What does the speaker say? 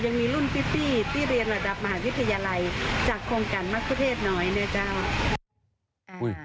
ยังมีรุ่นพี่ที่เรียนระดับมหาวิทยาลัยจากโครงการมะคุเทศน้อยนะเจ้า